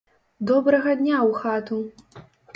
Добрага дня ў хату!